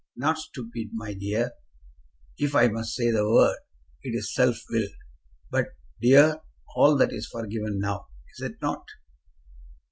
"Not stupid, my dear; if I must say the word, it is self willed. But, dear, all that is forgiven now. Is it not?"